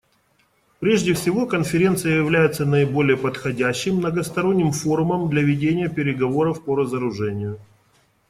Прежде всего, Конференция является наиболее подходящим многосторонним форумом для ведения переговоров по разоружению.